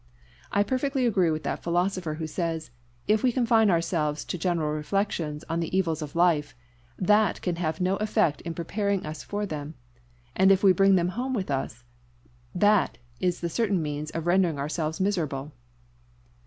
I perfectly agree with that philosopher who says, if we confine ourselves to general reflections on the evils of life, that can have no effect in preparing us for them; and if we bring them home to us, that is the certain means of rendering ourselves miserable."